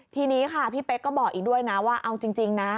ทีนี้ค่ะพี่เป๊กก็บอกอีกด้วยนะว่าเอาจริงนะ